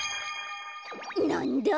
なんだ？